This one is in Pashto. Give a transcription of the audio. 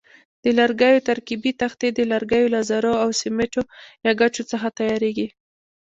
د لرګیو ترکیبي تختې د لرګیو له ذرو او سیمټو یا ګچو څخه تیاریږي.